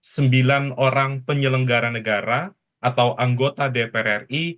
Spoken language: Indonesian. sembilan orang penyelenggara negara atau anggota dpr ri